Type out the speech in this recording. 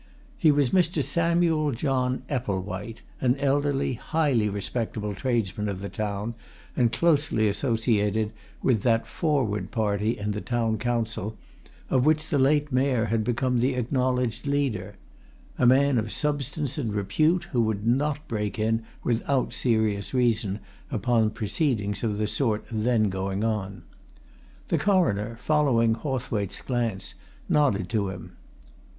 He was Mr. Samuel John Epplewhite, an elderly, highly respectable tradesman of the town, and closely associated with that Forward Party in the Town Council of which the late Mayor had become the acknowledged leader; a man of substance and repute, who would not break in without serious reason upon proceedings of the sort then going on. The Coroner, following Hawthwaite's glance, nodded to him.